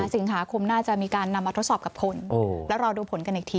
สิงหาคมน่าจะมีการนำมาทดสอบกับคนแล้วรอดูผลกันอีกที